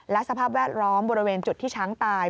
และสภาพแวดล้อมบริเวณจุดที่ช้างตาย